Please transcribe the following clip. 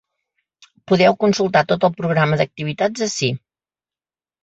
Podeu consultar tot el programa d’activitats ací.